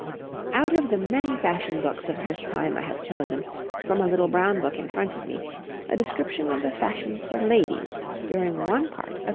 Out of the many fashion books of this time I have chosen, from a little brown book in front of me, a description of the fashions for ladies during one part of 1827.